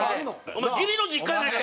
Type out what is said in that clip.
お前義理の実家やないか！